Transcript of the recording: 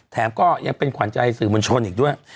แถมก็ยังเป็นขวัญใจสื่อมวลชนอีกด้วย